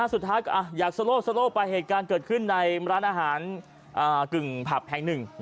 สุดท้ายก็อยากโซโลโซโล่ไปเหตุการณ์เกิดขึ้นในร้านอาหารกึ่งผับแห่งหนึ่ง